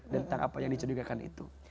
tentang apa yang dicerigakan itu